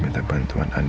keisha pesan lo ke jakarta